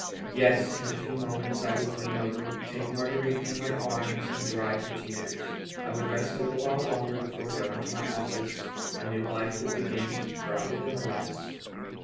Yes, in a few moments I would lean over, take Marguerite in my arms, and dry her tears. I would rest a little while longer before going to my office; a new life would begin, brighter than the last.